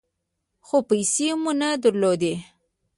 خو پیسې مو نه درلودې .